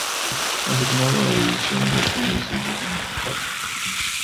Asignado a la división de homicidios de Manhattan.